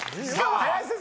林先生。